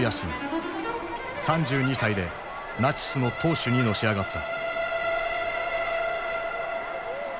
３２歳でナチスの党首にのし上がった。